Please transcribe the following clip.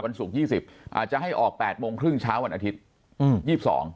วันศุกร์๒๐อาจจะให้ออก๘โมงครึ่งเช้าวันอาทิตย์๒๒